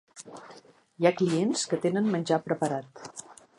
Hi ha clients que tenen menjar preparat.